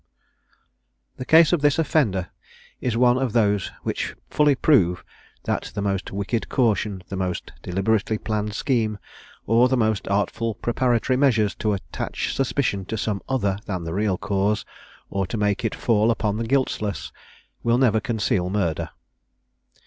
The case of this offender is one of those which fully prove, that the most wicked caution, the most deliberately planned scheme, or the most artful preparatory measures to attach suspicion to some other than the real cause, or to make it fall upon the guiltless, will never conceal murder.